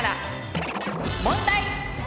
問題！